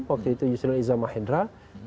waktu itu yusril iza mahendra